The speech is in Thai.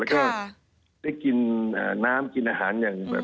แล้วก็ได้กินน้ำกินอาหาร